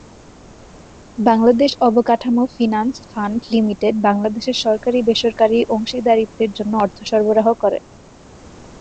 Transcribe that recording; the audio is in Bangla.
বাংলাদেশ অবকাঠামো ফিনান্স ফান্ড লিমিটেড বাংলাদেশে সরকারী-বেসরকারী অংশীদারিত্বের জন্য অর্থ সরবরাহ করে।